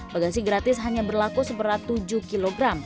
bagasi gratis hanya berlaku seberat tujuh kg